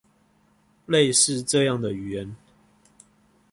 類似這樣的語言